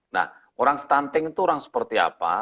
nah orang stunting itu orang seperti apa